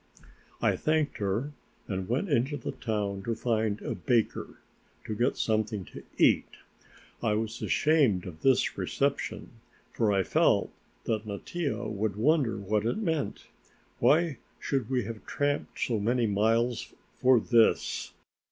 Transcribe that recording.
I thanked her and went into the town to find a baker, to get something to eat. I was ashamed of this reception, for I felt that Mattia would wonder what it meant. Why should we have tramped so many miles for this.